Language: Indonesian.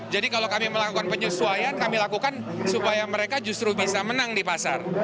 jadi kalau kami melakukan penyesuaian kami lakukan supaya mereka justru bisa menang di pasar